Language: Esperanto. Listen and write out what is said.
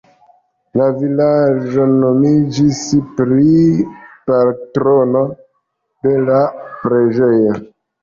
La vilaĝo nomiĝis pri patrono de la preĝejo.